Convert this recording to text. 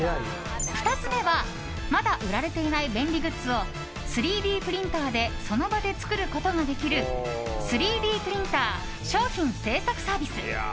２つ目はまだ売られていない便利グッズを３Ｄプリンターでその場で作ることができる３Ｄプリンター商品製作サービス。